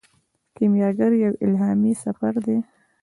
کیمیاګر یو الهامي سفر دی.